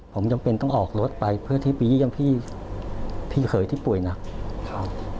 ผมจำเป็นต้องออกรถไปเพื่อที่ไปเยี่ยมพี่พี่เขยที่ป่วยหนักครับ